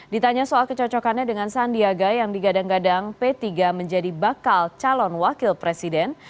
ditanya soal kecocokannya dengan sandiaga yang digadang gadang p tiga menjadi bakal calon wakil presiden